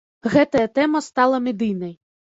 Гэтая тэма стала медыйнай.